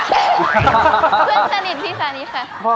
เพื่อนสนิทพี่ซานิค่ะ